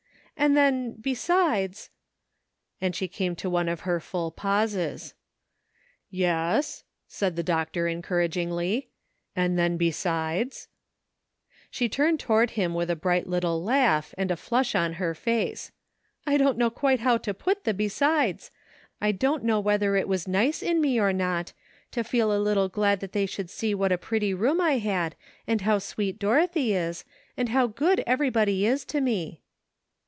And then besides "— and she came to one of her full pauses. "Yes," said the doctor encouragingly, "and then besides "— She turned toward him with a bright little GREAT QUESTIONS SETTLED. 289 laugh, and a flush on her face. " I don't know quite how to put the 'besides.' I don't know whether it was nice in me, or not, to feel a little glad that they should see what a pretty room I had, and how sweet Dorothy is, and how good everybody is to me."